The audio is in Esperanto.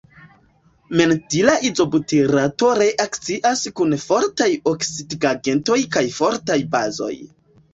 Mentila izobutirato reakcias kun fortaj oksidigagentoj kaj fortaj bazoj.